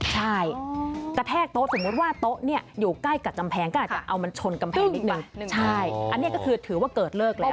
ใช่กระแทกโต๊ะสมมุติว่าโต๊ะเนี่ยอยู่ใกล้กับกำแพงก็อาจจะเอามันชนกำแพงนิดนึงใช่อันนี้ก็คือถือว่าเกิดเลิกแล้ว